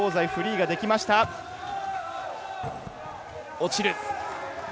落ちる。